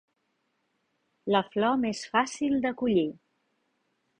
La flor més fàcil de collir.